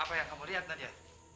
apa yang kamu lihat nadia